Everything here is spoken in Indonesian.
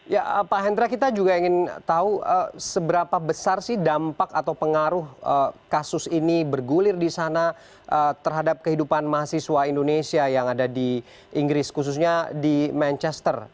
ya pak hendra kita juga ingin tahu seberapa besar sih dampak atau pengaruh kasus ini bergulir di sana terhadap kehidupan mahasiswa indonesia yang ada di inggris khususnya di manchester